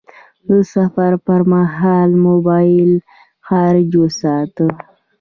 د سفر پر مهال موبایل چارج وساته..